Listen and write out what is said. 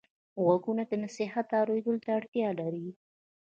غوږونه د نصیحت اورېدلو ته اړتیا لري